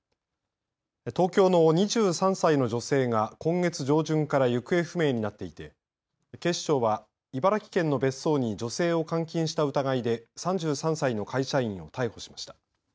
東京の２３歳の女性が今月上旬から行方不明になっていて警視庁は茨城県の別荘に女性を監禁した疑いで３３歳の会社員を逮捕しました。